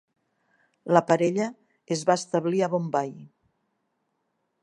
La parella es va establir a Bombai.